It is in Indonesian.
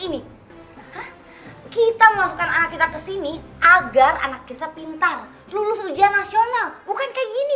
ini kita memasukkan anak kita ke sini agar anak kita pintar lulus ujian nasional bukan kayak gini